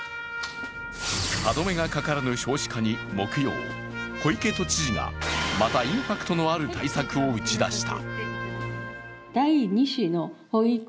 歯止めがかからぬ少子化に木曜小池都知事がまたインパクトある対策を打ち出した。